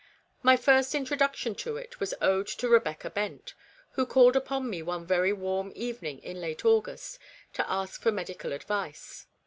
My first introduction to it was owed to Eebecca Bent, who called upon me one very warm evening in late August to ask for medi cal advice.